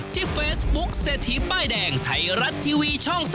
ที่เฟซบุ๊คเศรษฐีป้ายแดงไทยรัฐทีวีช่อง๓๒